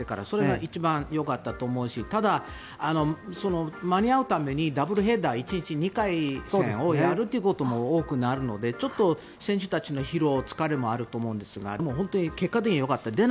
それが一番よかったと思うしただ、間に合うためにダブルヘッダー１日２回やるということも多くなるのでちょっと選手たちの疲労疲れもあると思うんですがでも、本当に結果的にはよかった。